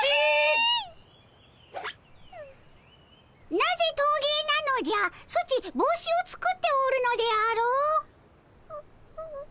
なぜトーゲーなのじゃソチ帽子を作っておるのであろう？